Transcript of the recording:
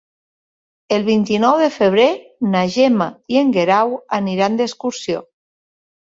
El vint-i-nou de febrer na Gemma i en Guerau aniran d'excursió.